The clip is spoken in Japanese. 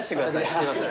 すいません。